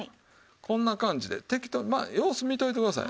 こんな感じで適当にまあ様子見ておいてください。